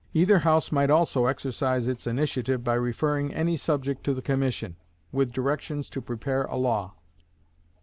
Either house might also exercise its initiative by referring any subject to the commission, with directions to prepare a law.